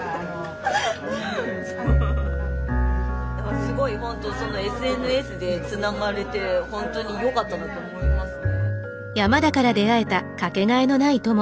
すごいほんとそのＳＮＳでつながれてほんとによかったと思いますね。